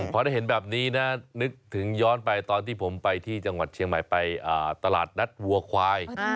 พอได้เห็นแบบนี้นะนึกถึงย้อนไปตอนที่ผมไปที่จังหวัดเชียงใหม่ไปตลาดนัดวัวควาย